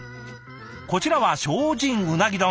こちらは精進うなぎ丼。